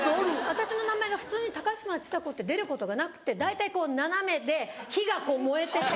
私の名前が普通に「高嶋ちさ子」って出ることがなくて大体こう斜めで火が燃えてて。